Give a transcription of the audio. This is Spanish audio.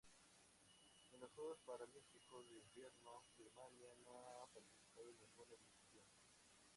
En los Juegos Paralímpicos de Invierno Birmania no ha participado en ninguna edición.